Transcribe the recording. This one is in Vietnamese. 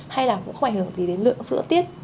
hay là cũng không ảnh hưởng gì đến lượng sữa tiết